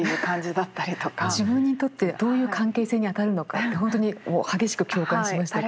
自分にとってどういう関係性にあたるのかって本当に激しく共感しましたけど。